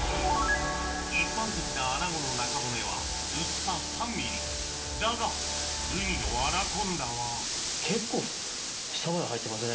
一般的なアナゴの中骨は薄さ３ｍｍだが海のアナコンダは結構下まで入ってますね。